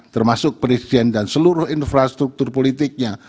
termasuk presiden dan seluruh infrastruktur politiknya